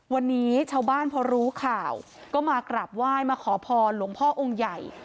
วันนี้ชาวบ้านพอรู้ข่าวก็มากราบไหว้มาขอพรหลวงพ่อองค์ใหญ่